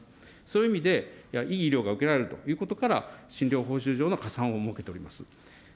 そういう意味で、いい医療が受けられるということから、診療報酬上の加算を設けております。